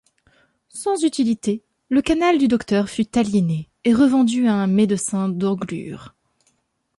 Sans utilité, le canal du Docteur fut aliéné et revendu à un médecin d'Anglure.